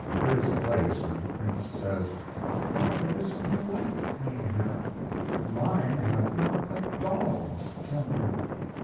There is a place where the Prince says, "Fathers be alike, mayhap; mine hath not a doll's temper."